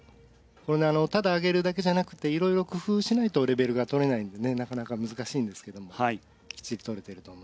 これねただ上げるだけじゃなくていろいろ工夫しないとレベルがとれないんでねなかなか難しいんですけどもきちんととれてると思います。